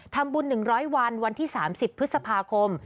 ทำบุญ๑๐๐วันวันที่๓๐พฤษภาคม